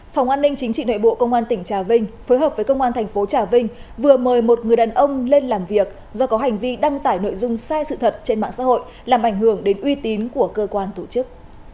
phòng an ninh chính trị nội bộ công an tỉnh trà vinh phối hợp với công an thành phố trà vinh vừa mời một người đàn ông lên làm việc do có hành vi đăng tải nội dung sai sự thật trên mạng xã hội làm ảnh hưởng đến uy tín của cơ quan tổ chức